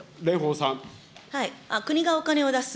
国がお金を出す。